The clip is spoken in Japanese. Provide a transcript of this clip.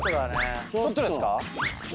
ちょっとですか？